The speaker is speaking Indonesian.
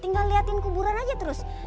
tinggal liatin kuburan aja terus